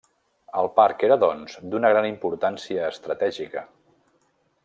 El parc era doncs d'una gran importància estratègica.